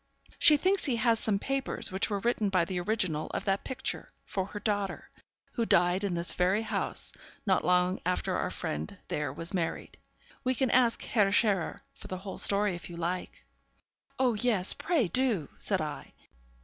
She thinks he has some papers which were written by the original of that picture for her daughter, who died in this very house not long after our friend there was married. We can ask Herr Scherer for the whole story if you like.' 'Oh yes, pray do!' said I.